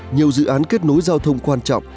nhiều dự án kết nối giao thông quan trọng